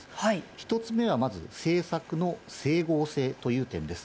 １つ目は、まず政策の整合性という点です。